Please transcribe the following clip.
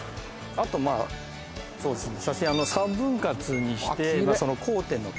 あとまあそうですね